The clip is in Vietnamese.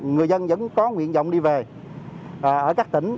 người dân vẫn có nguyện vọng đi về ở các tỉnh